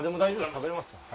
食べれます。